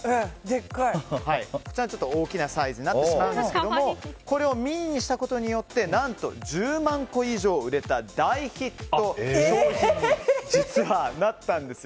こちら、大きなサイズになってしまうんですがこれをミニにしたことによって何と１０万個以上売れた大ヒット商品となったんです。